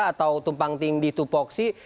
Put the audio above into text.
atau tumpang tinggi tupoksi